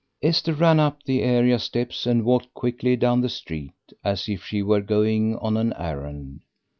Esther ran up the area steps and walked quickly down the street, as if she were going on an errand.